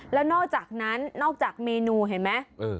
แล้วนอกจากนั้นนอกจากเมนูเห็นไหม